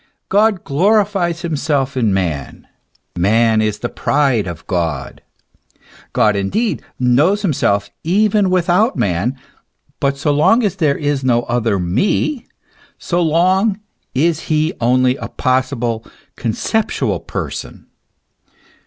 God glorifies himself in man : man is the pride of God. God indeed knows himself even without man ; but so long as there is no other me, so long is he only a possible, conceptional person.